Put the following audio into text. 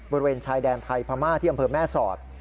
บริเวณชายแดนไทยพม่าที่อำเภอแม่สอด